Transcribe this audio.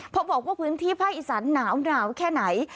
พอบอกว่าพื้นที่ภาคอีสานหนาวแค่ไหน